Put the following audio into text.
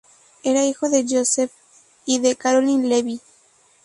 Era hijo de Joseph J. y de Carolyn Levy.